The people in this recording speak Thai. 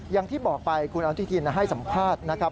อย่างที่บอกไปคุณอนุทินให้สัมภาษณ์นะครับ